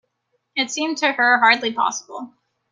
It seemed to her hardly possible.